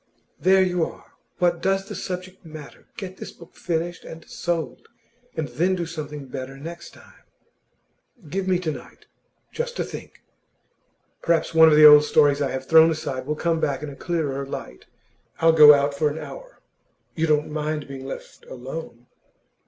'There you are! What does the subject matter? Get this book finished and sold, and then do something better next time.' 'Give me to night, just to think. Perhaps one of the old stories I have thrown aside will come back in a clearer light. I'll go out for an hour; you don't mind being left alone?